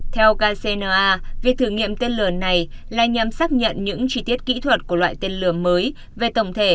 theo kcna việc thử nghiệm tên lửa này là nhằm xác nhận những chi tiết kỹ thuật của loại tên lửa mới về tổng thể